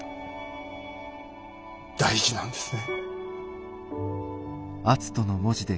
大事なんですね。